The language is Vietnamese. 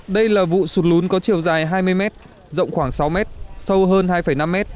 đây là vụ sụt lún có chiều dài hai mươi m rộng khoảng sáu mét sâu hơn hai năm m